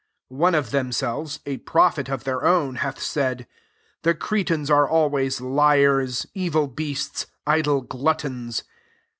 12 Ono of themselves, a prophet* of their own, hath said, " The Cretans are always liars, evil beasts, idle gluttons."